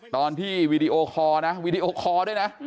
ตอนที่วิดีโอคอร์นะ